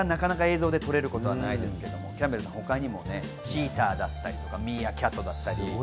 あの瞬間、なかなか映像で撮れることはないですけど、キャンベルさん、他にもチーターだったりミーアキャットだったり。